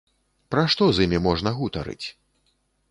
Пра што з імі можна гутарыць?